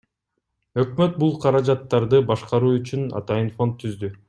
Өкмөт бул каражаттарды башкаруу үчүн атайын фонд түздү.